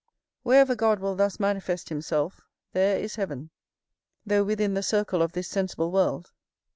Wherever God will thus manifest himself, there is heaven, though within the circle of this sensible world.